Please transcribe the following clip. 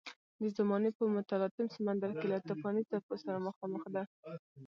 د زمانې په متلاطم سمندر کې له توپاني څپو سره مخامخ ده.